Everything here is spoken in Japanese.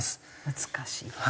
難しいですね。